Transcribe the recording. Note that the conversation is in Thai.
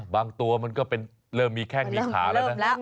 บางตัวมันก็เริ่มมีแข้งมีขาแล้วนะ